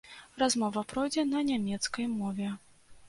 Размова пройдзе на нямецкай мове.